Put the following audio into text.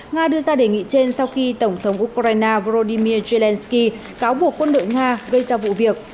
nga đưa ra đề nghị trên sau khi tổng thống ukraine volodymyr zelensky cáo buộc quân đội nga gây ra vụ việc